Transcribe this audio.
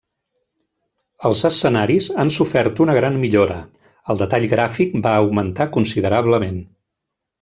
Els escenaris han sofert una gran millora, el detall gràfic va augmentar considerablement.